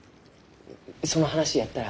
その話やったら。